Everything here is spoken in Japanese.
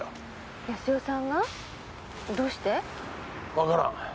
わからん。